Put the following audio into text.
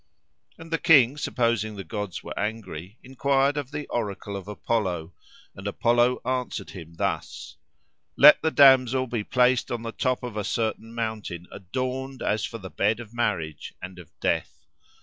And the king, supposing the gods were angry, inquired of the oracle of Apollo, and Apollo answered him thus: "Let the damsel be placed on the top of a certain mountain, adorned as for the bed of marriage and of death.